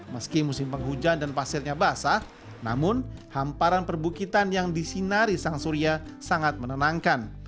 meski musim penghujan dan pasirnya basah namun hamparan perbukitan yang disinari sang surya sangat menenangkan